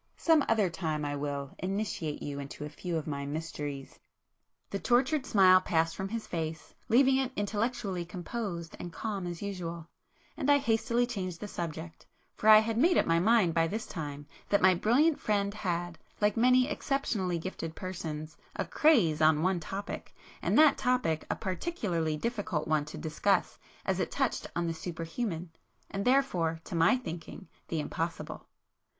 Some other time I will initiate you into a few of my mysteries." The tortured smile passed from his face, leaving it intellectually composed and calm as usual,—and I hastily changed the subject, for I had made up my mind by this time that my brilliant friend had, like many exceptionally gifted persons, a [p 253] 'craze' on one topic, and that topic a particularly difficult one to discuss as it touched on the superhuman and therefore (to my thinking) the impossible.